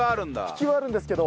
引きはあるんですけど。